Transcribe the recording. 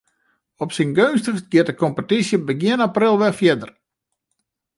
Op syn geunstichst giet de kompetysje begjin april wer fierder.